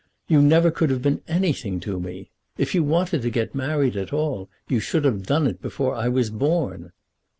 You never could have been anything to me. If you wanted to get married at all, you should have done it before I was born."